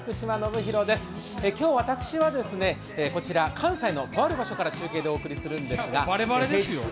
今日、私はこちら関西のとある場所から中継するんですが。